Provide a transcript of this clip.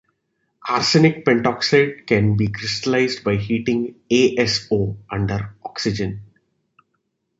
Arsenic pentoxide can be crystallized by heating AsO under oxygen.